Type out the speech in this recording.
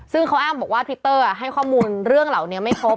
ซึ่งเขาอ้างบอกว่าทวิตเตอร์ให้ข้อมูลเรื่องเหล่านี้ไม่ครบ